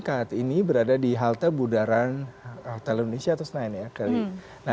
saat ini berada di halte budaran hotel indonesia satu ratus sembilan